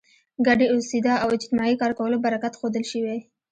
ګډې اوسېدا او اجتماعي کار کولو برکت ښودل شوی.